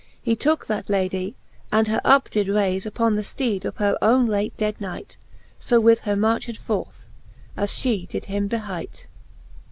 He tooke that Ladie, and her up did rayle Upon the fteed of her owne late dead knight; So with her marched forth, as Ihe did him behight.